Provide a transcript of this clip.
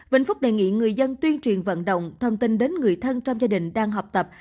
vĩnh phúc đề nghị người dân tuyên truyền vận động thông tin đến người thân trong gia đình đang học tập